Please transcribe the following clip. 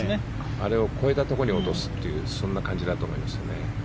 あれを越えたところに落とすというそんな感じだと思います。